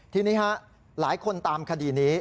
ทีนี้หลายคนตามคดีนี้